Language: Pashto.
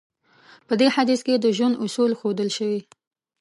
په دې حديث کې د ژوند اصول ښودل شوی.